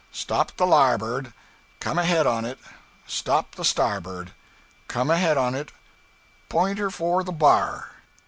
'Stop the larboard. Come ahead on it. Stop the starboard. Come ahead on it. Point her for the bar.'